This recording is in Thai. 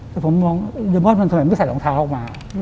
แต่ผมมองเดมอนทำไมไม่ใส่หลองเท้าออกมา